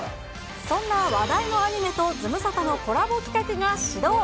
そんな話題のアニメと、ズムサタのコラボ企画が始動。